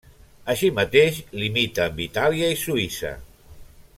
Així mateix, limita amb Itàlia i Suïssa.